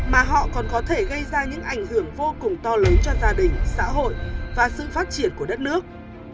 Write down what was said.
mà họ còn có thể gây ra những ảnh hưởng vô cùng to lớn cho gia đình xã hội và sự phát triển của đất nước